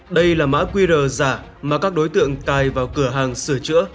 đây là mã qr giả mà các đối tượng cài vào cửa hàng sửa chữa